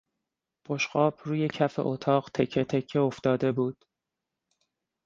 بشقاب روی کف اتاق تکهتکه افتاده بود.